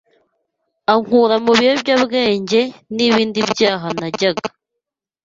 ankura mu biyobyabwenge n’ibindi byaha najyaga